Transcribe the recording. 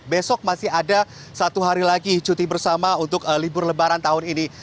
besok masih ada satu hari lagi cuti bersama untuk libur lebaran tahun ini